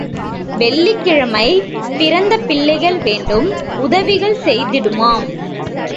வெள்ளிக் கிழமை பிறந்த பிள்ளை வேண்டும் உதவிகள் செய்திடுமாம்.